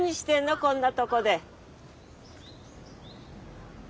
こんなとこで。